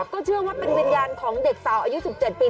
ก็เชื่อว่าเป็นวิญญาณของเด็กสาวอายุ๑๗ปี